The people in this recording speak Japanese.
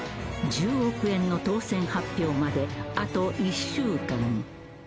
［１０億円の当せん発表まであと１週間］